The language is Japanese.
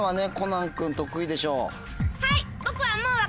はい！